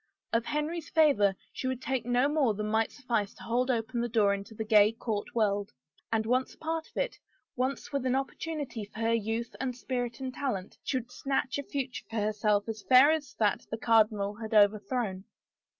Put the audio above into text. Of Henry's favor she would take no more than might suffice to hold open the door into the gay court world, and, once a part of it, once with an opportunity for her youth and spirit and talent, she would snatch a future for herself as fair as that the cardinal had overthrown